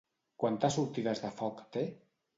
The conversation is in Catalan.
Quantes sortides de foc té?